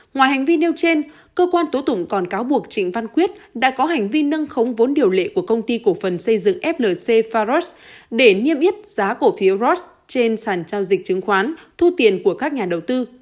ngoài hành vi nêu trên cơ quan tố tụng còn cáo buộc trịnh văn quyết đã có hành vi nâng khống vốn điều lệ của công ty cổ phần xây dựng flc faros để niêm yết giá cổ phiếu rost trên sàn giao dịch chứng khoán thu tiền của các nhà đầu tư